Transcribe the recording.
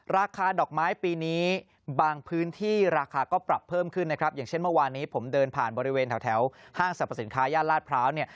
ราคาดอกไม้ปีนี้บางพื้นที่ราคาก็ปรับเพิ่มขึ้นนะครับอย่างเช่นเมื่อวานนี้ผมเดินผ่านบริเวณแถวห้างสรรพสินค้าย่านลาดพร้าวเนี่ย